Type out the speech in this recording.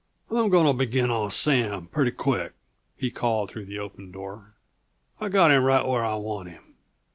"I'm going to begin on Sam, pretty quick," he called through the open door. "I've got him right where I want him."